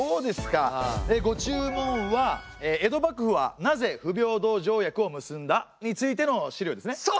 でご注文は「江戸幕府はなぜ不平等条約を結んだ？」についての資料ですね。